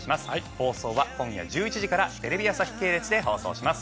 放送は今夜１１時からテレビ朝日系列で放送します。